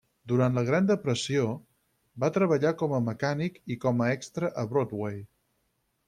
Durant la Gran Depressió va treballar com a mecànic i com a extra a Broadway.